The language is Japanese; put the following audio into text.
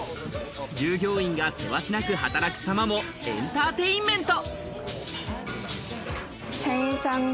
従業員がせわしなく働く様もエンターテインメント。